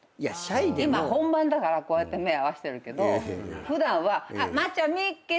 今本番だからこうやって目合わせてるけど普段は。